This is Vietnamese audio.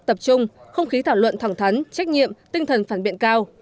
tập trung không khí thảo luận thẳng thắn trách nhiệm tinh thần phản biện cao